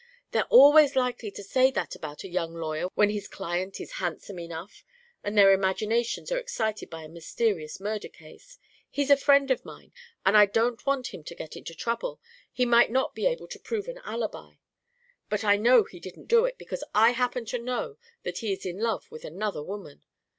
"They're always likely to say that about a young lawyer when his client is handsome enough and their imaginations are excited by a mysterious murder case. He's a friend of mine, and I don't want him to get into trouble. He might not be able to prove an alibi. But I know he didn't do it because I happen to know that he is in love with another woman.